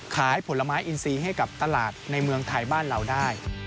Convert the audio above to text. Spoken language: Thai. ขายผลไม้อินซีให้กับตลาดในเมืองไทยบ้านเราได้